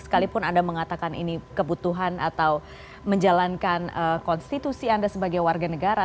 sekalipun anda mengatakan ini kebutuhan atau menjalankan konstitusi anda sebagai warga negara